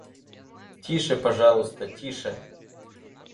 — Тише, пожалуйста, тише!